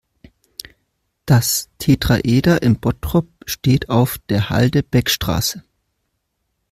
Das Tetraeder in Bottrop steht auf der Halde Beckstraße.